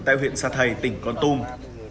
tại huyện sa thầy tỉnh con tung